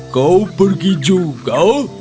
kau pergi juga